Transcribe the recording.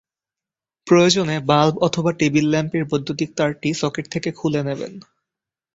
প্রয়োজনে বাল্ব অথবা টেবিল ল্যাম্পের বৈদ্যুতিক তারটি সকেট থেকে খুলে নেবেন।